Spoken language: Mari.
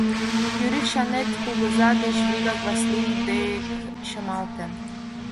Юрик Чанет кугыза деч вигак Васлий дек чымалте.